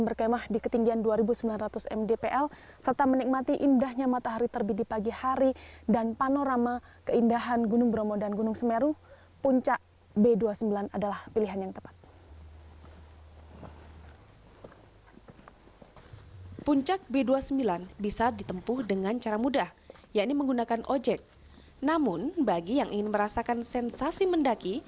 pemandangan di kelurahan argosari kecamatan senduro kabupaten lumajang